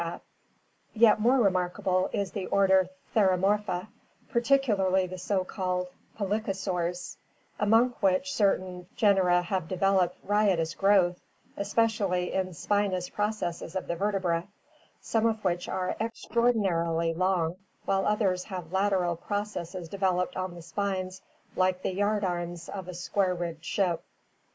Yet more remarkable is the order Theromorpha, particularly the so called pelycosaurs, among which certain genera have developed riotous growth, especially in the spinous processes of the vertebrae, some of which are extraordinarily long while others have lateral processes developed on the spines like the yardarms of a square rigged ship (Edaphosaurus, Fig. 149).